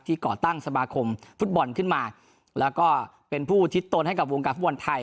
ก่อตั้งสมาคมฟุตบอลขึ้นมาแล้วก็เป็นผู้อุทิศตนให้กับวงการฟุตบอลไทย